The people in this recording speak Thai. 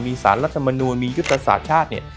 มีสารรัฐมนุนมียุตสาธารณ์ชาติ